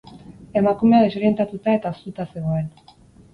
Emakumea desorientatuta eta hoztuta zegoen.